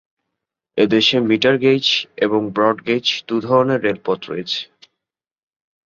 এদেশে মিটারগেজ এবং ব্রডগেজ-দু'ধরনের রেলপথ রয়েছে।